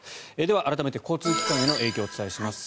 改めて交通機関の影響をお伝えします。